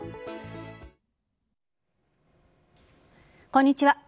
こんにちは。